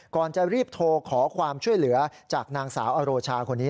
ก่อนจะรีบโทรขอความช่วยเหลือจากนางสาวอโรชาคนนี้